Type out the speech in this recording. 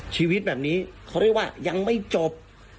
ชีวิตแบบนี้เขาเรียกว่ายังไม่จบ